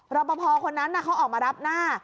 รอปภคนนั้นเขาออกมารับหน้า